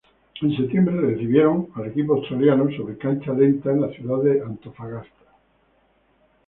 En septiembre recibieron al equipo australiano sobre cancha lenta en la ciudad de Antofagasta.